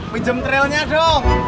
pinjem trailnya dong